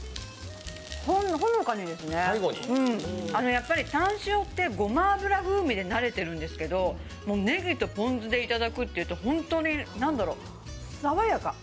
ほのかにですね、タン塩ってごま油ブームでなれているんですけどねぎとポン酢でいただくというと、本当に爽やか。